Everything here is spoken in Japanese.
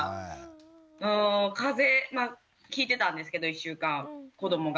風邪ひいてたんですけど１週間子どもが。